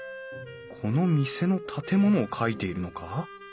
この店の建物を描いているのか？